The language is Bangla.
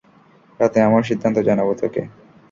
রাতে আমার সিদ্ধান্ত জানাব তোকে।